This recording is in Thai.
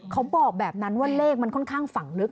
เขาบอกแบบนั้นว่าเลขมันค่อนข้างฝั่งลึก